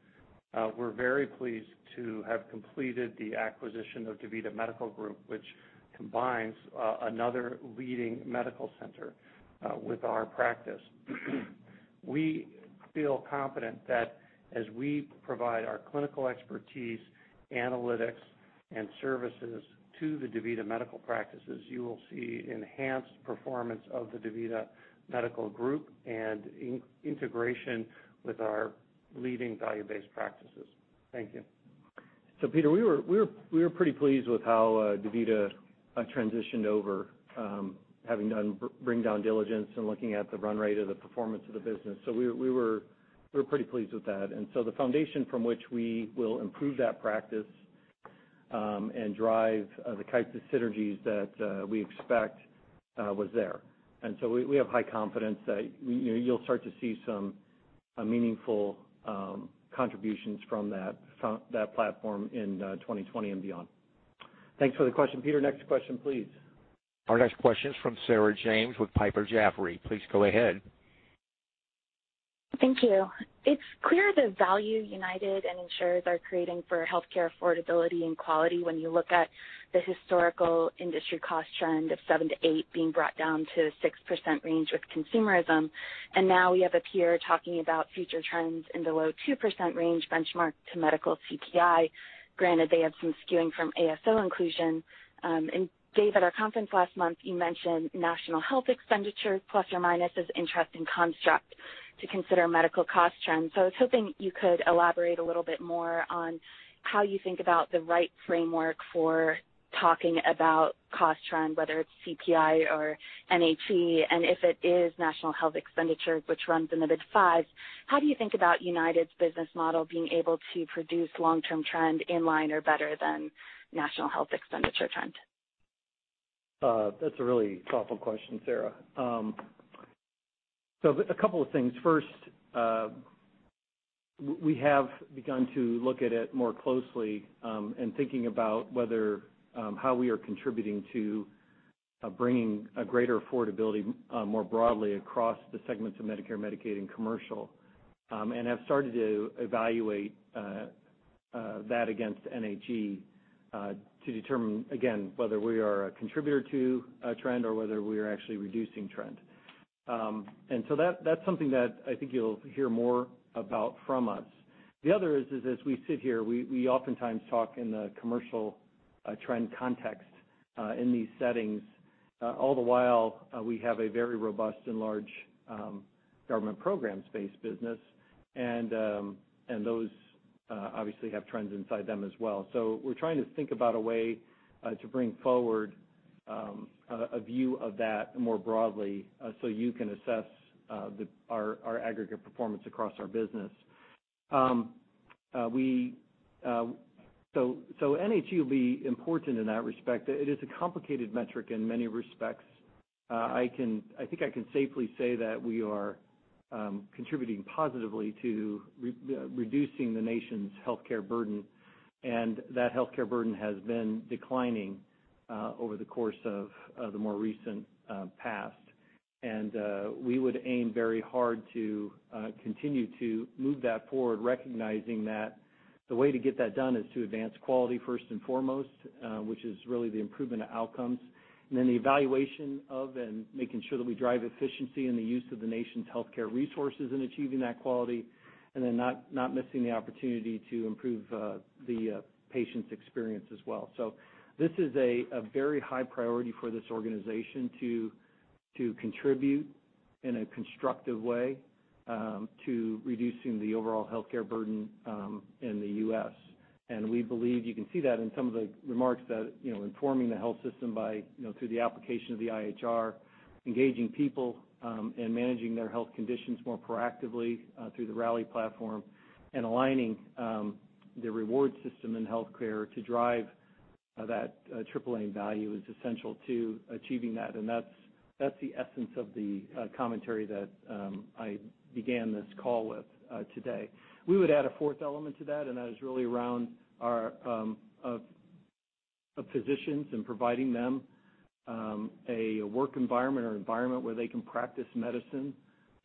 We're very pleased to have completed the acquisition of DaVita Medical Group, which combines another leading medical center with our practice. We feel confident that as we provide our clinical expertise, analytics, and services to the DaVita medical practices, you will see enhanced performance of the DaVita Medical Group and integration with our leading value-based practices. Thank you. Peter, we were pretty pleased with how DaVita transitioned over, having done bring-down diligence and looking at the run rate of the performance of the business. We were pretty pleased with that. The foundation from which we will improve that practice and drive the types of synergies that we expect was there. We have high confidence that you'll start to see some meaningful contributions from that platform in 2020 and beyond. Thanks for the question, Peter. Next question, please. Our next question is from Sarah James with Piper Jaffray. Please go ahead. Thank you. It's clear the value United and insurers are creating for healthcare affordability and quality when you look at the historical industry cost trend of 7%-8% being brought down to 6% range with consumerism, now we have a peer talking about future trends in the low 2% range benchmarked to medical CPI, granted they have some skewing from ASO inclusion. Dave, at our conference last month, you mentioned national health expenditure plus or minus as interesting construct to consider medical cost trends. I was hoping you could elaborate a little bit more on how you think about the right framework for talking about cost trend, whether it's CPI or NHE. If it is national health expenditure, which runs in the mid-5s, how do you think about United's business model being able to produce long-term trend in line or better than national health expenditure trend? That's a really thoughtful question, Sarah. A couple of things. First, we have begun to look at it more closely, and thinking about how we are contributing to bringing a greater affordability more broadly across the segments of Medicare, Medicaid, and commercial, and have started to evaluate that against NHE to determine, again, whether we are a contributor to a trend or whether we are actually reducing trend. That's something that I think you'll hear more about from us. The other is, as we sit here, we oftentimes talk in the commercial trend context in these settings. All the while, we have a very robust and large government programs-based business, and those obviously have trends inside them as well. We're trying to think about a way to bring forward a view of that more broadly so you can assess our aggregate performance across our business. NHE will be important in that respect. It is a complicated metric in many respects. I think I can safely say that we are contributing positively to reducing the nation's healthcare burden, and that healthcare burden has been declining over the course of the more recent past. We would aim very hard to continue to move that forward, recognizing that the way to get that done is to advance quality first and foremost, which is really the improvement of outcomes, and then the evaluation of and making sure that we drive efficiency in the use of the nation's healthcare resources in achieving that quality, and then not missing the opportunity to improve the patient's experience as well. This is a very high priority for this organization to contribute in a constructive way to reducing the overall healthcare burden in the U.S. We believe you can see that in some of the remarks that informing the health system through the application of the IHR, engaging people and managing their health conditions more proactively through the Rally platform, and aligning the reward system in healthcare to drive that triple aim value is essential to achieving that. That's the essence of the commentary that I began this call with today. We would add a fourth element to that, and that is really around our physicians and providing them a work environment or environment where they can practice medicine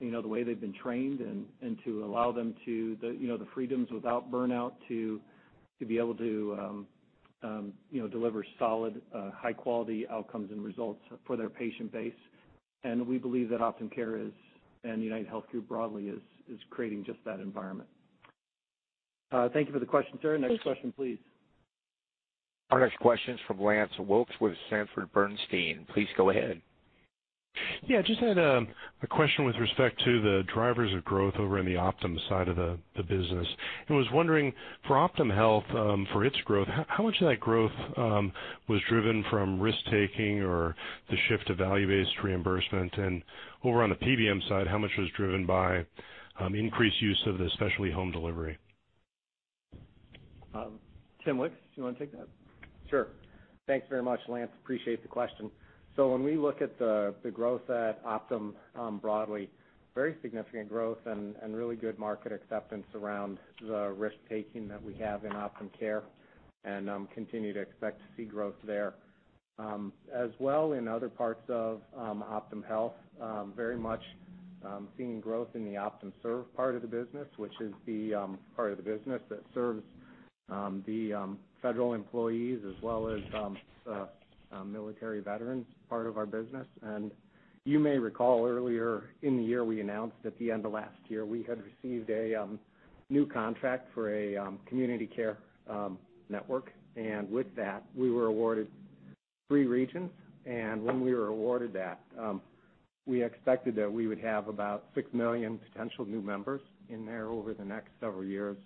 the way they've been trained and to allow them the freedoms without burnout to be able to deliver solid high-quality outcomes and results for their patient base. We believe that Optum Care and UnitedHealth Group broadly is creating just that environment. Thank you for the question, Sarah. Next question, please. Our next question is from Lance Wilkes with Sanford Bernstein. Please go ahead. Yeah, just had a question with respect to the drivers of growth over in the Optum side of the business, was wondering for Optum Health, for its growth, how much of that growth was driven from risk-taking or the shift to value-based reimbursement? Over on the PBM side, how much was driven by increased use of the specialty home delivery? Tim Lix, do you want to take that? Sure. Thanks very much, Lance. Appreciate the question. When we look at the growth at Optum broadly, very significant growth and really good market acceptance around the risk-taking that we have in Optum Care and continue to expect to see growth there. As well in other parts of Optum Health, very much seeing growth in the Optum Serve part of the business, which is the part of the business that serves the federal employees as well as military veterans part of our business. You may recall earlier in the year, we announced at the end of last year, we had received a new contract for a Community Care Network. With that, we were awarded three regions. When we were awarded that, we expected that we would have about six million potential new members in there over the next several years.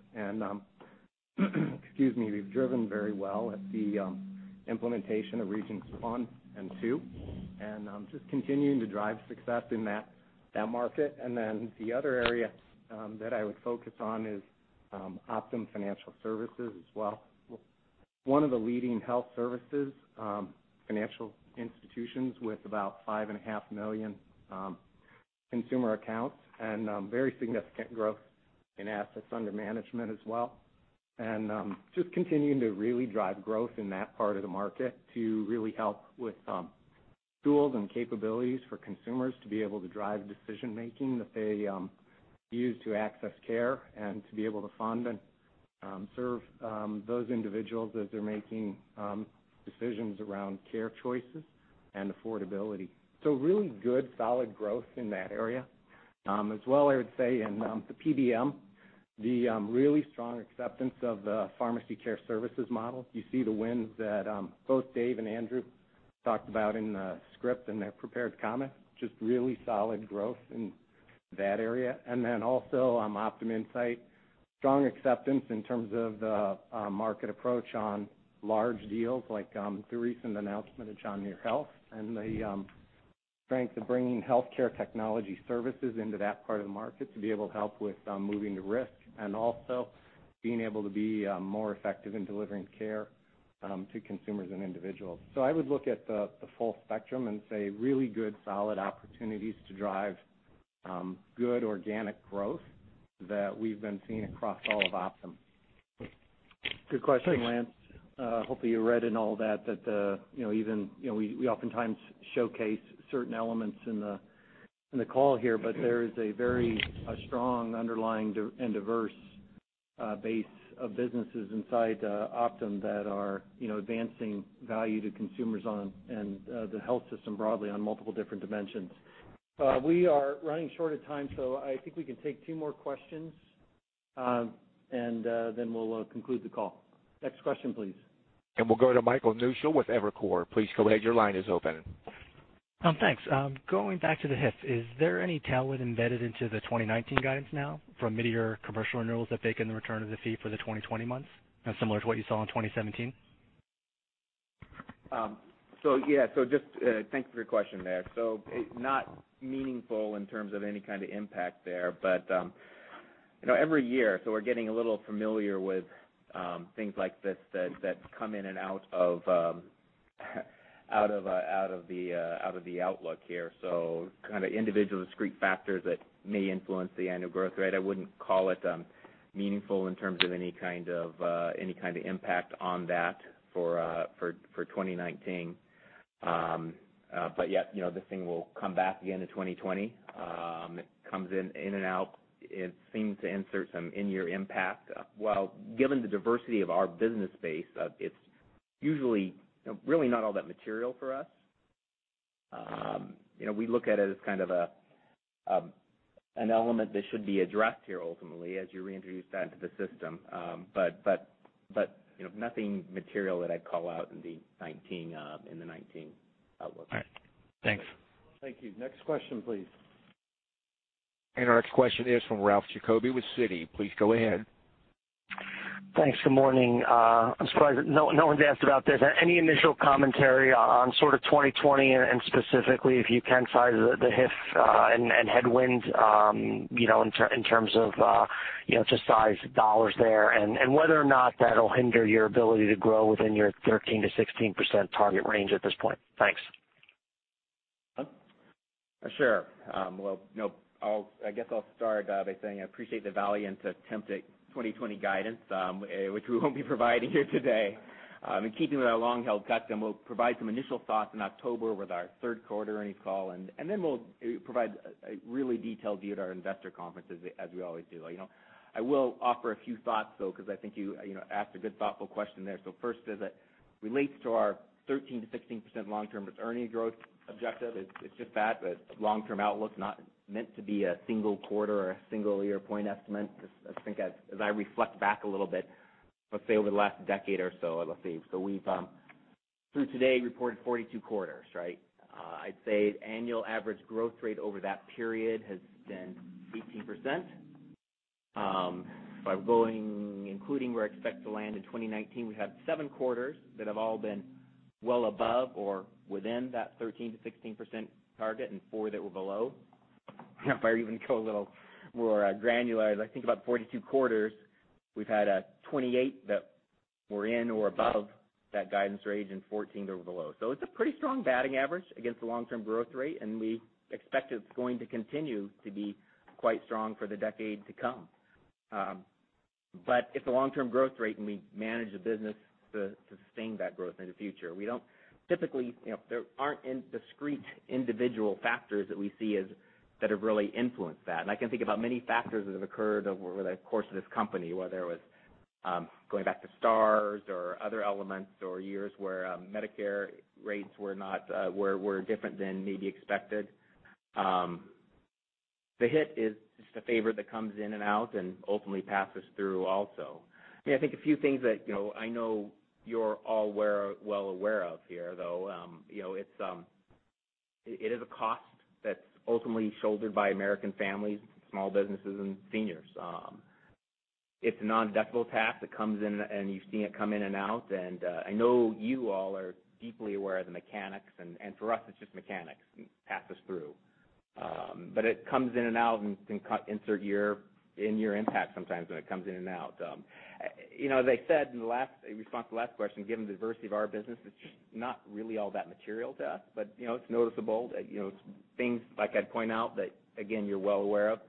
Excuse me, we've driven very well at the implementation of Regions one and two, and just continuing to drive success in that market. Then the other area that I would focus on is Optum Financial Services as well. One of the leading health services financial institutions with about five and a half million consumer accounts and very significant growth in assets under management as well. Just continuing to really drive growth in that part of the market to really help with tools and capabilities for consumers to be able to drive decision-making that they use to access care and to be able to fund and serve those individuals as they're making decisions around care choices and affordability. Really good, solid growth in that area. As well, I would say in the PBM, the really strong acceptance of the pharmacy care services model. You see the wins that both Dave and Andrew talked about in the script in their prepared comments, just really solid growth in that area. Also, Optum Insight, strong acceptance in terms of the market approach on large deals like the recent announcement of John Muir Health and the strength of bringing healthcare technology services into that part of the market to be able to help with moving the risk and also being able to be more effective in delivering care to consumers and individuals. I would look at the full spectrum and say really good, solid opportunities to drive good organic growth that we've been seeing across all of Optum. Good question, Lance. Hopefully, you read in all that we oftentimes showcase certain elements in the call here. There is a very strong underlying and diverse base of businesses inside Optum that are advancing value to consumers and the health system broadly on multiple different dimensions. We are running short of time. I think we can take two more questions. Then we'll conclude the call. Next question, please. We'll go to Michael Newshel with Evercore. Please go ahead. Your line is open. Thanks. Going back to the HIF, is there any talent embedded into the 2019 guidance now from mid-year commercial renewals that bake in the return of the fee for the 2020 months, similar to what you saw in 2017? Yeah. Thanks for your question there. Not meaningful in terms of any kind of impact there, but every year, we're getting a little familiar with things like this that come in and out of the outlook here. Individual discrete factors that may influence the annual growth rate. I wouldn't call it meaningful in terms of any kind of impact on that for 2019. Yeah, this thing will come back again in 2020. It comes in and out. It seems to insert some in-year impact. While given the diversity of our business base, it's usually really not all that material for us. We look at it as kind of an element that should be addressed here ultimately as you reintroduce that into the system. Nothing material that I'd call out in the 2019 outlook. All right. Thanks. Thank you. Next question, please. Our next question is from Ralph Giacobbe with Citi. Please go ahead. Thanks. Good morning. I'm surprised that no one's asked about this. Any initial commentary on sort of 2020 and specifically, if you can size the HIF and headwinds in terms of just size dollars there and whether or not that'll hinder your ability to grow within your 13%-16% target range at this point? Thanks. Sure. Well, I guess I'll start by saying I appreciate the valiant attempt at 2020 guidance, which we won't be providing here today. In keeping with our long-held custom, we'll provide some initial thoughts in October with our third quarter earnings call, and then we'll provide a really detailed view at our investor conference, as we always do. I will offer a few thoughts, though, because I think you asked a good, thoughtful question there. First, as it relates to our 13%-16% long-term earnings growth objective, it's just that, a long-term outlook. It's not meant to be a single quarter or a single year point estimate. I think as I reflect back a little bit, let's say over the last decade or so, let's see. We've, through today, reported 42 quarters, right? I'd say annual average growth rate over that period has been 18%. By going, including where I expect to land in 2019, we have seven quarters that have all been well above or within that 13%-16% target and four that were below. If I even go a little more granular, I think about 42 quarters, we've had 28 that were in or above that guidance range and 14 that were below. It's a pretty strong batting average against the long-term growth rate, and we expect it's going to continue to be quite strong for the decade to come. It's a long-term growth rate, and we manage the business to sustain that growth in the future. Typically, there aren't any discrete individual factors that we see that have really influenced that. I can think about many factors that have occurred over the course of this company, whether it was going back to Stars or other elements or years where Medicare rates were different than maybe expected. The HIF is just a factor that comes in and out and ultimately passes through also. I think a few things that I know you're all well aware of here, though. It is a cost that's ultimately shouldered by American families, small businesses, and seniors. It's a non-deductible tax that comes in, and you've seen it come in and out. I know you all are deeply aware of the mechanics, and for us, it's just mechanics. It passes through. It comes in and out and can insert an impact sometimes when it comes in and out. As I said in response to the last question, given the diversity of our business, it's just not really all that material to us, but it's noticeable. Things like I'd point out that, again, you're well aware of.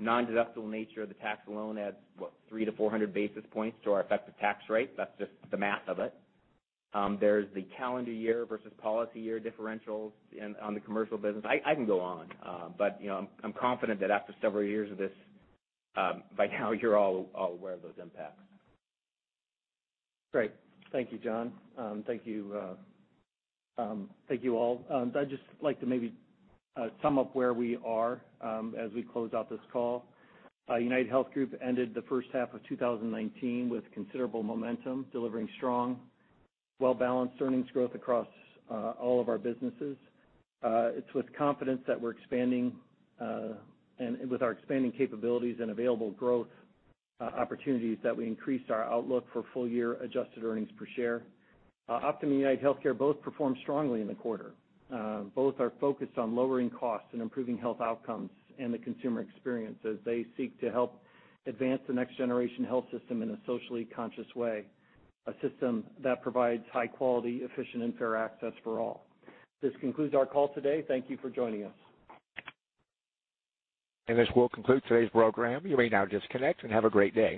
Non-deductible nature of the tax alone adds, what, 300-400 basis points to our effective tax rate. That's just the math of it. There's the calendar year versus policy year differentials on the commercial business. I can go on, but I'm confident that after several years of this, by now you're all aware of those impacts. Great. Thank you, John. Thank you all. I'd just like to maybe sum up where we are as we close out this call. UnitedHealth Group ended the first half of 2019 with considerable momentum, delivering strong, well-balanced earnings growth across all of our businesses. It's with confidence that we're expanding and with our expanding capabilities and available growth opportunities that we increased our outlook for full-year adjusted earnings per share. Optum and UnitedHealthcare both performed strongly in the quarter. Both are focused on lowering costs and improving health outcomes and the consumer experience as they seek to help advance the next-generation health system in a socially conscious way, a system that provides high quality, efficient, and fair access for all. This concludes our call today. Thank you for joining us. This will conclude today's program. You may now disconnect and have a great day.